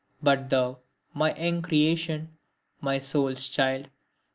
But thou, my young creation! my soul's child!